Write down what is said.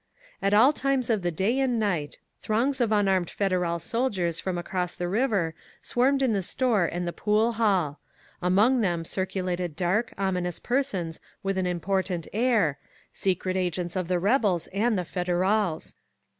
At all times of the day and night, throngs of un armed Federal soldiers from across the river swarmed in the store and the pool hall. Among them circu lated dark, ominous persons with an important air, secret agents of the Rebels and the Federals.